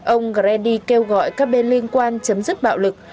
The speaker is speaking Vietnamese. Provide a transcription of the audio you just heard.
ông greendi kêu gọi các bên liên quan chấm dứt bạo lực